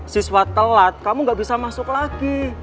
siswa telat kamu gak bisa masuk lagi